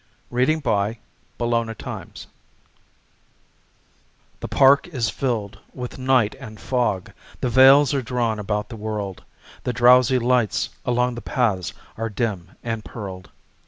Spring Night The park is filled with night and fog, The veils are drawn about the world, The drowsy lights along the paths Are dim and pearled.